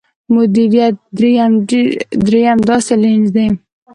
مديريت درېيم داسې لينز دی.